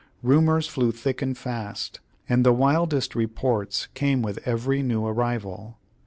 Rumors flew thick and fast, and the wildest reports came with every new arrival.